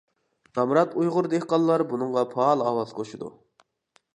نامرات ئۇيغۇر دېھقانلار بۇنىڭغا پائال ئاۋاز قوشىدۇ.